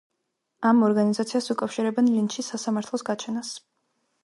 ამ ორგანიზაციას უკავშირებენ ლინჩის სასამართლოს გაჩენას.